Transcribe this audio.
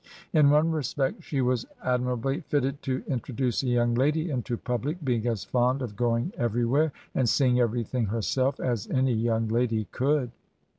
In one respect she was admirably fitted to in troduce a young lady into public, being as fond of go ing everywhere, and seeing everything herself, as any yotuig lady could.''